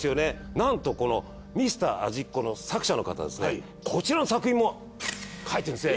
なんとこの『ミスター味っ子』の作者の方ですねこちらの作品も書いてるんですね。